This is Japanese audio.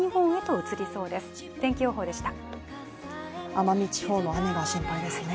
奄美地方の雨が心配ですね。